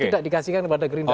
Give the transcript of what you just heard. tidak dikasihkan kepada gerindra